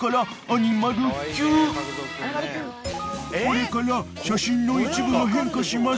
［これから写真の一部が変化します］